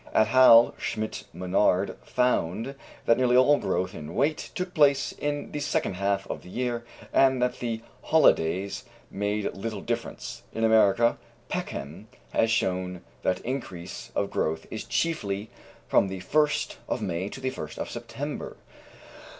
At Halle, Schmid Monnard found that nearly all growth in weight took place in the second half of the year, and that the holidays made little difference. In America, Peckham has shown that increase of growth is chiefly from the 1st of May to the 1st of September.